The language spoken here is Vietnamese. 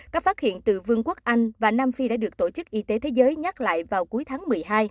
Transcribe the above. các phát hiện từ vương quốc anh và nam phi đã được tổ chức y tế thế giới nhắc lại vào cuối tháng một mươi hai